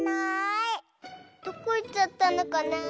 どこいっちゃったのかなあ。